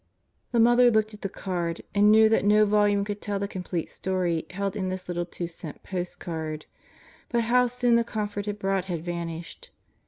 The mother looked at the card and knew that no volume could tell the complete story held in this little two cent post card. But how soon the comfort it brought had vanished.